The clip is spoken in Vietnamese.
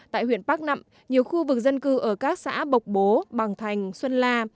tại huyện bắc nậm nhiều khu vực dân cư ở các xã bộc bố bằng thành xuân la